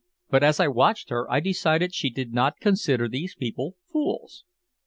But as I watched her I decided she did not consider these people fools.